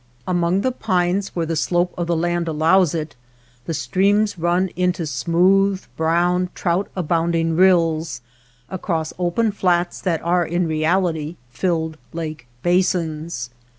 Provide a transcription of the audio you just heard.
Among the pines where the slope of the land allows it, the streams run into smooth, brown, trout abounding rills across open flats that are in reality filled lake basins.